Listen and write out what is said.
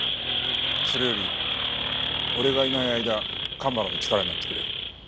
それより俺がいない間蒲原の力になってくれ。